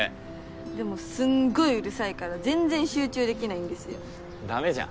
でもすんごいうるさいから全然集中できないんですよ。だめじゃん。